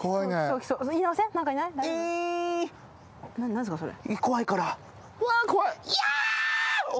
何すかそれ？